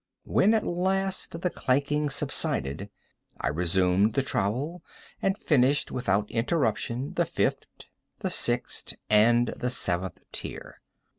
When at last the clanking subsided, I resumed the trowel, and finished without interruption the fifth, the sixth, and the seventh tier.